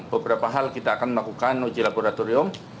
beberapa hal kita akan melakukan uji laboratorium